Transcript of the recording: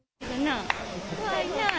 怖いなぁ。